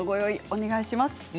お願いします。